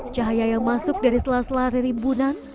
cahaya yang masuk dari selas lari rimbunan